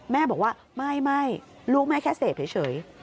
แม่บอกว่าไม่ลูกแม่แค่เสพเฉย